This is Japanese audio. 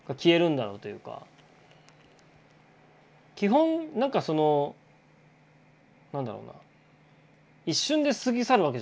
基本なんかその何だろうな一瞬で過ぎ去るわけじゃないんですよね。